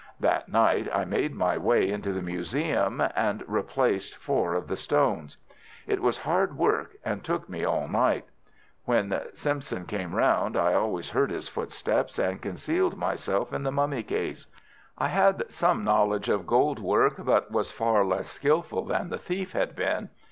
"That night I made my way into the museum, and I replaced four of the stones. It was hard work, and took me all night When Simpson came round I always heard his footsteps, and concealed myself in the mummy case. I had some knowledge of gold work, but was far less skilful than the thief had been.